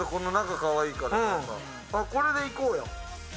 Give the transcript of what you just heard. これでいこうや。